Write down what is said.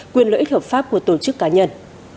quyền lợi ích hợp pháp của tổ chức cá nhân